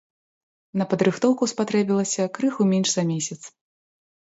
На падрыхтоўку спатрэбілася крыху менш за месяц.